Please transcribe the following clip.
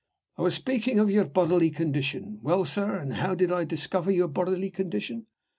I was speaking of your bodily condition. Well, sir, and how did I discover your bodily condition?